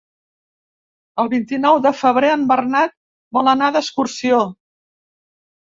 El vint-i-nou de febrer en Bernat vol anar d'excursió.